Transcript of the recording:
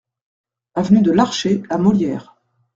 Avenue de Larché à Molières